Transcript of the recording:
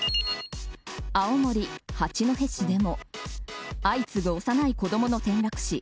青森・八戸市でも相次ぐ幼い子供の転落死。